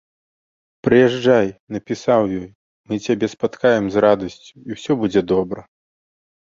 Прыязджай, напісаў ёй, мы цябе спаткаем з радасцю, і ўсё будзе добра.